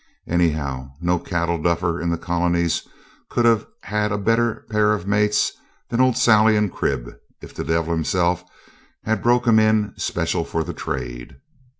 Anyhow, no cattle duffer in the colonies could have had a better pair of mates than old Sally and Crib, if the devil himself had broken 'em in special for the trade.